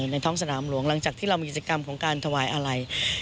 ในท้องสนามหลวงหลังจากที่เรามีกิจกรรมของการถวายอะไร